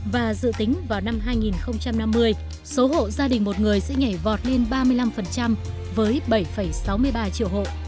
và dự tính vào năm hai nghìn năm mươi số hộ gia đình một người sẽ nhảy vọt lên ba mươi năm với bảy sáu mươi ba triệu hộ